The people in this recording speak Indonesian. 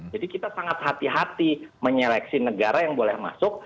jadi kita sangat hati hati menyeleksi negara yang boleh masuk